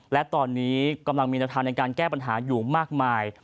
และตอนนี้กำลังมีแนวทางในการแก้ปัญหาอยู่มากมาย